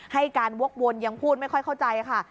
ให้การวกวนยังพูดไม่ค่อยเข้าใจค่ะ